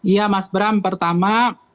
ya mas bram pertama